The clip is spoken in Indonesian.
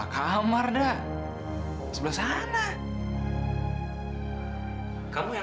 kau mirip ya sama